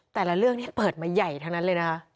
แต่ละเรื่องนี้เปิดมาใหญ่ทั้งนั้นเลยนะคะ